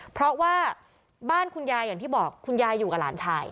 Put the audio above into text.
เพราะว่าบ้านคุณยายอย่างที่บอกคุณยายอยู่กับหลานชาย